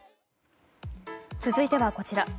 続いては、こちら。